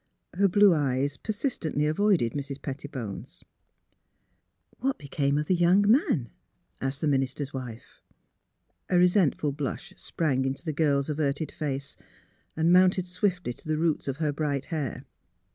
MISS PHILURA'S BABY 329 Her blue eyes persistently avoided Mrs. Petti bone's. " What became of the young man? " asked tbe minister's wife. A resentful blush sprang into the girl's averted face and mounted swiftly to the roots of her bright hair.